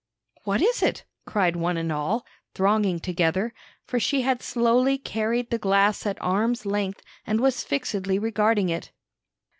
"What is it?" cried one and all, thronging together, for she had slowly carried the glass at arm's length and was fixedly regarding it.